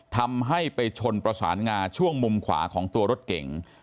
ทำให้ไปชนประสานงาช่วงมุมขวาของตัวรถเก่ง